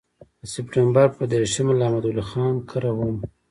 د سپټمبر پر دېرشمه له احمد ولي خان کره وم.